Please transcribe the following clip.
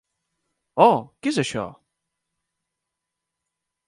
Oh, què és això?